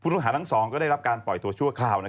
ต้องหาทั้งสองก็ได้รับการปล่อยตัวชั่วคราว